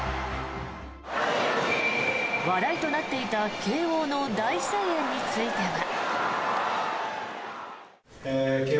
話題となっていた慶応の大声援については。